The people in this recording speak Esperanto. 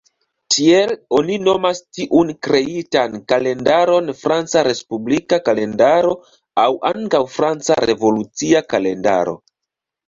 Tiel, oni nomas tiun kreitan kalendaron Franca respublika kalendaro aŭ ankaŭ Franca revolucia kalendaro.